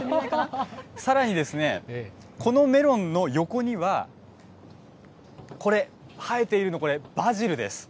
さらにですね、このメロンの横には、これ、生えているの、これ、バジルです。